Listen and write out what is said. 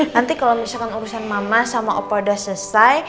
nanti kalau misalkan urusan mama sama opo udah selesai